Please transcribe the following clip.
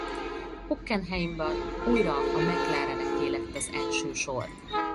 Hockenheimban újra a McLareneké lett az első sor.